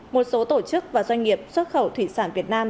một số tổ chức và doanh nghiệp xuất khẩu thủy sản việt nam